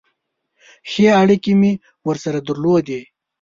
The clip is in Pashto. ښې اړیکې مې ورسره درلودې.